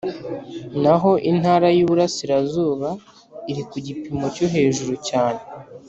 naho intara y Uburasirazuba iri ku gipimo cyo hejuru cyane